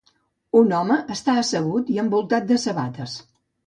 Un home està assegut i envoltat de sabates.